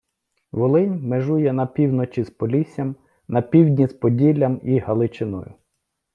Волинь межує на півночі з Поліссям, на півдні з Поділлям і Галичиною.